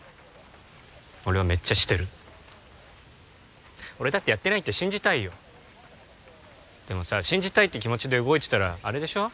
俺はめっちゃしてる俺だってやってないって信じたいよでもさ信じたいって気持ちで動いてたらアレでしょ？